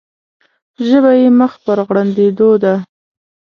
ژبه یې مخ پر غړندېدو ده.